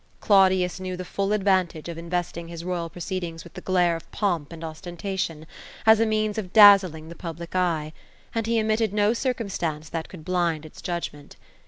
Claudius knew the full advantage of investing his royal proceedings with the glare of pomp and ostentation, as a means of dazzling the public eye ; and he omitted no circumstance that could blind its judgment.